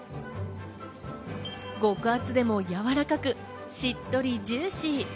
極厚でもやわらかく、しっとりジューシー。